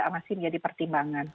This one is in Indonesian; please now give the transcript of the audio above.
jadi itu masih menjadi pertimbangan